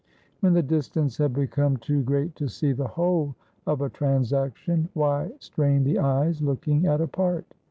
When the distance had become too great to see the whole of a transaction, why strain the eyes looking at a part?